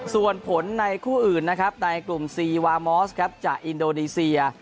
ส่วนผลในคู่อื่นนะครับในกลุ่มซีวามอสครับจากอินโดนีเซีย